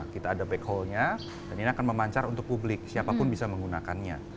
kita ada backholdnya dan ini akan memancar untuk publik siapapun bisa menggunakannya